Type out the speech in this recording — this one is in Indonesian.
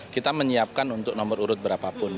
kita menyiapkan untuk nomor urut berapapun